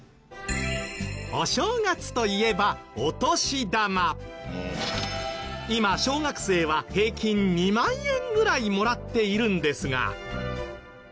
お正月といえば今小学生は平均２万円ぐらいもらっているんですが。